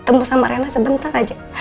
ketemu sama rena sebentar aja